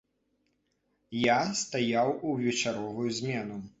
Я стаяў у вечаровую змену.